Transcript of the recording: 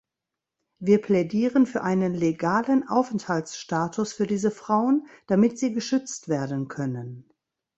Wir plädieren für einen legalen Aufenthaltsstatus für diese Frauen, damit sie geschützt werden können.